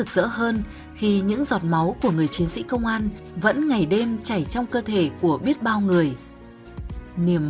vì những giọt máu cho đi không để xảy ra hậu quả thương tâm